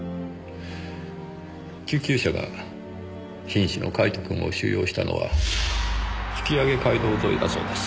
救急車が瀕死のカイトくんを収容したのは吹上街道沿いだそうです。